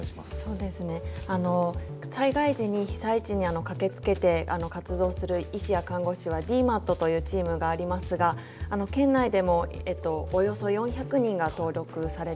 そうですね災害時に被災地に駆けつけて活動する医師や看護師はＤＭＡＴというチームがありますが県内でもおよそ４００人が登録されています。